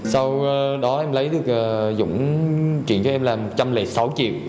sau đó em lấy được dũng chuyển cho em là một trăm linh sáu triệu